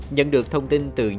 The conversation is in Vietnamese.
nhận được thông tin từ nhóm bí mật